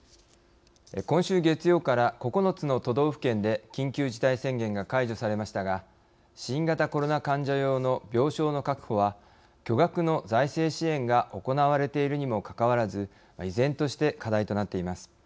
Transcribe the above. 今週月曜から９つの都道府県で緊急事態宣言が解除されましたが新型コロナ患者用の病床の確保は巨額の財政支援が行われているにもかかわらず依然として課題となっています。